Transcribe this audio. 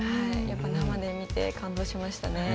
生で見て感動しましたね。